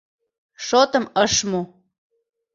Шотым ыш му.